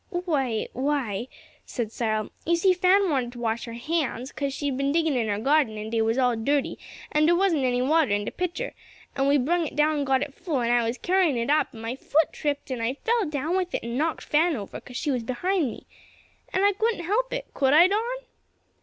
"Why why," said Cyril, "you see Fan wanted to wash her hands; 'cause she'd been diggin' in her garden and dey was all dirty, and dere wasn't any water in the pitcher and we brung it down and got it full and I was carryin' it up and my foot tripped and I fell down with it and knocked Fan over cause she was behind me. And I couldn't help it. Could I, Don?"